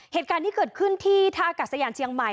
เหตุการณ์ที่เกิดขึ้นที่ท่ากัดสยานเชียงใหม่